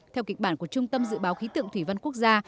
theo kịch bản của trung tâm dự báo khí tượng thủy văn quốc gia